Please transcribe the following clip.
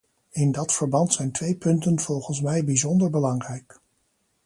In dat verband zijn twee punten volgens mij bijzonder belangrijk.